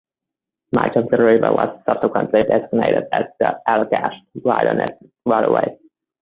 Much of the river was subsequently designated as the Allagash Wilderness Waterway.